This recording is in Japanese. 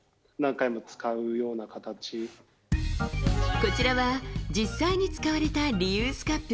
こちらは実際に使われたリユースカップ。